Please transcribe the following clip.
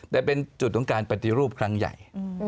แต่เป็นจุดของการปฏิรูปครั้งใหญ่